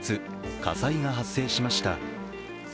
火災が発生しました。